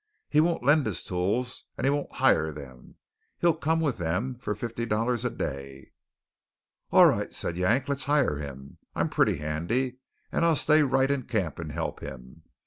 He won't lend his tools; and he won't hire them. He'll come with them for fifty dollars a day." "All right," said Yank, "let's hire him. I'm pretty handy, and I'll stay right in camp and help him.